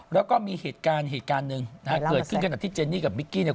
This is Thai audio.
แล้วก็มีเหตุการณ์หนึ่งเกิดขึ้นขนาดที่เจนนี่กับมิกกี้เนี่ย